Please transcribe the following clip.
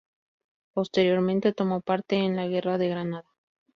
Posteriormente tomó parte en la guerra de Granada.